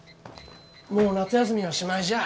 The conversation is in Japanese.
もう夏休みはしまいじゃあ。